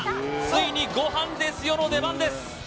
ついにごはんですよ！の出番です